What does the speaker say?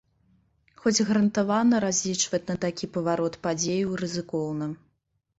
Хоць гарантавана разлічваць на такі паварот падзеяў рызыкоўна.